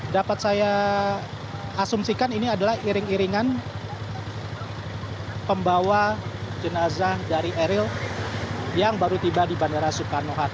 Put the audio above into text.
dapat saya asumsikan ini adalah iring iringan pembawa jenazah dari eril yang baru tiba di bandara soekarno hatta